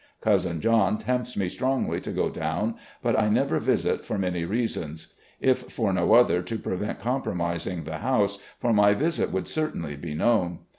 Cousin John tempts me strongly to go down, but I never visit for many reasons. If for no other, to prevent compromising the house, for my visit would certainly be known.